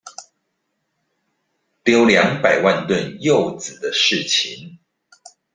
丟兩百萬噸柚子的事情